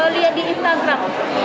lihat di instagram